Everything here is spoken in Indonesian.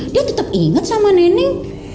dia tetap ingat sama nenek